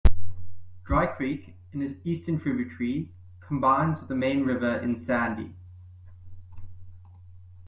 Dry Creek, an eastern tributary, combines with the main river in Sandy.